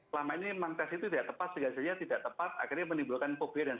selama ini memang test itu tidak tepat hasilnya tidak tepat akhirnya menimbulkan fobia dan